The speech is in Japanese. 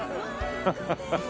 ハハハッ！